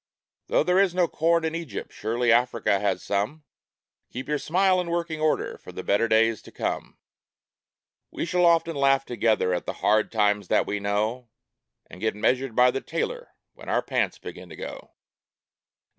Though there is no corn in Egypt, surely Africa has some Keep your smile in working order for the better days to come ! We shall often laugh together at the hard times that we know, And get measured by the tailor when our pants begin to go.